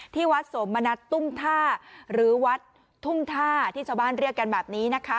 ที่วัดสมณัฐตุ้มท่าหรือวัดทุ่งท่าที่ชาวบ้านเรียกกันแบบนี้นะคะ